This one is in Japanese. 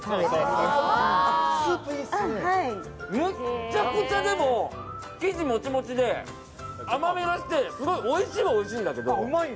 でも、むっちゃくちゃ生地モチモチで甘みがしてすごいおいしいはおいしいんだけど。